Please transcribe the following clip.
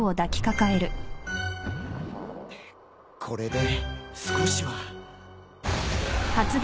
これで少しは。